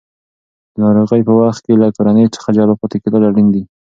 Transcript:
د ناروغۍ په وخت کې له کورنۍ څخه جلا پاتې کېدل اړین دي.